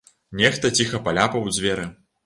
Нехта ціха паляпаў у дзверы.